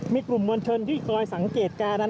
มีกลุ่มมวลชนที่คอยสังเกตการณ์นั้น